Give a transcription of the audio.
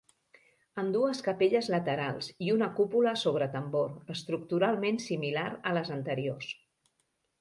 Amb dues capelles laterals i una cúpula sobre tambor, estructuralment similar a les anteriors.